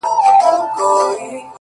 • د فکرونه، ټوله مزخرف دي،